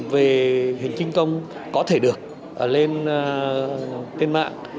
về hình chứng công có thể được lên tên mạng